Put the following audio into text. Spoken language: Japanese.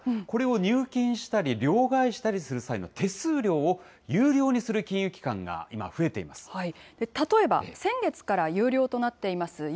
これを入金したり、両替したりする際の手数料を有料にする金融機関が今、増えていま例えば、先月から有料となっています